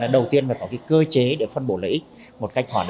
đầu tiên là có cơ chế để phân bổ lợi ích